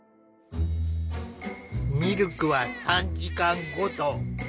「ミルクは３時間ごと」。